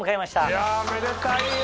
いやめでたいよ